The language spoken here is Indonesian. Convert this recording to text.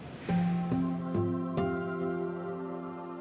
jangan lupa like share dan subscribe